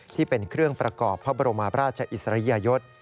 ที่เป็นเครื่องประกอบพระบรมราชอิสริยยศ